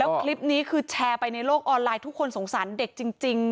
คลิปนี้คือแชร์ไปในโลกออนไลน์ทุกคนสงสารเด็กจริง